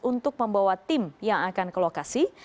untuk membawa tim yang akan ke lokasi